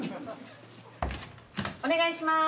お願いしまーす。